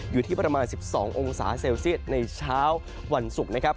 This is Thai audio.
อยู่ที่ประมาณ๑๒องศาเซลเซียตในเช้าวันศุกร์นะครับ